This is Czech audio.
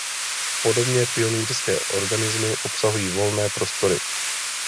Podobně pionýrské organismy obsazují volné prostory.